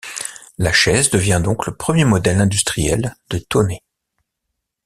La chaise devient donc le premier modèle industriel de Thonet.